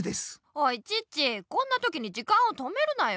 おいチッチこんなときに時間を止めるなよ。